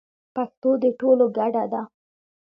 پښتو د ټولو ګډه ده.